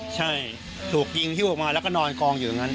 ใช่ถูกยิงฮิ้วออกมาแล้วก็นอนกองอยู่อย่างนั้น